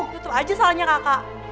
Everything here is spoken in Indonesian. tutup aja salahnya kakak